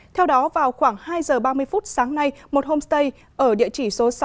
theo đó vào khoảng hai giờ ba mươi phút sáng nay một homestay ở địa chỉ số sáu